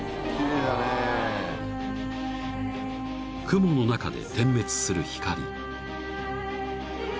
［雲の中で点滅する光］